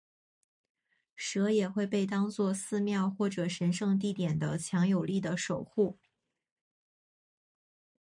蛇也会被当做寺庙或者神圣地点的强有力的守护。